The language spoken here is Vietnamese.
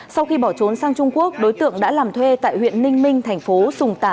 sau khi bỏ trốn sang trung quốc đối tượng đã làm thuê tại huyện ninh minh thành phố sùng tà